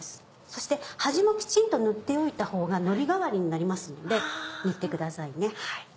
そして端もきちんと塗っておいたほうがのり代わりになりますので塗ってくださいね。